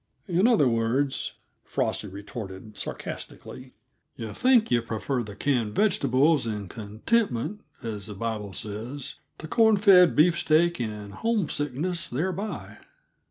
"In other words," Frosty retorted sarcastically, "you think you prefer the canned vegetables and contentment, as the Bible says, to corn fed beefsteak and homesickness thereby.